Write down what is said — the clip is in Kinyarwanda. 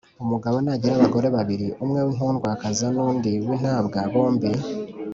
Umugabo nagira abagore babiri umwe w inkundwakazi n undi w intabwa bombi